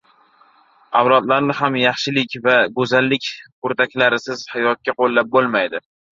avlodlarni ham yaxshilik va go‘zallik kurtaklarisiz hayotga yo‘llab bo‘lmaydi.